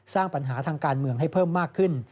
สร้างปัญหาทางการเมืองให้เพิ่มมากขึ้น